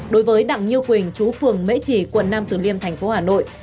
đối với đặng như quỳnh chú phường mễ trì quận năm từ liêm tp hà nội